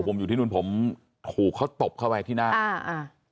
ผมอยู่ที่นู่นผมถูกเขาตบเข้าไปที่หน้าอ่าอ่า